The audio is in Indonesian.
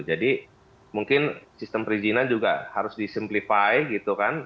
jadi mungkin sistem perizinan juga harus disimplify gitu kan